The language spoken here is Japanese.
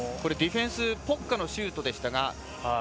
ディフェンスのポッカのシュートでしたが。